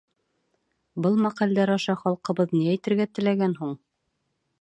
Был мәҡәлдәр аша халҡыбыҙ ни әйтергә теләгән һуң?